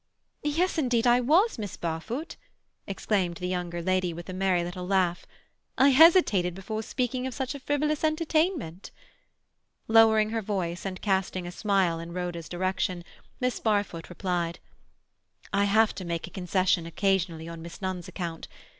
"Yes, indeed I was, Miss Barfoot!" exclaimed the younger lady, with a merry little laugh. "I hesitated before speaking of such a frivolous entertainment." Lowering her voice, and casting a smile in Rhoda's direction, Miss Barfoot replied,— "I have to make a concession occasionally on Miss Nunn's account.